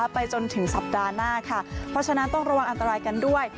ไปจนถึงสัปดาห์หน้าค่ะเพราะฉะนั้นต้องระวังอันตรายกันด้วย